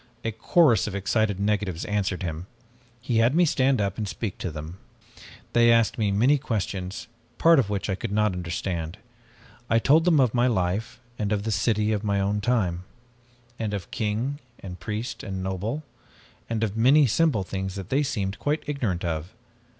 "A chorus of excited negatives answered him. He had me stand up and speak to them. They asked me many questions, part of which I could not understand. I told them of my life, and of the city of my own time, and of king and priest and noble, and of many simple things that they seemed quite ignorant of.